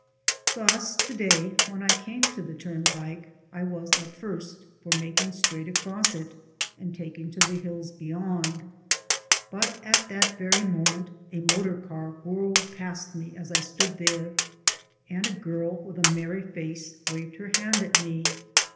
Thus to day when I came to the turnpike I was at first for making straight across it and taking to the hills beyond, but at that very moment a motor car whirled past me as I stood there and a girl with a merry face waved her hand at me.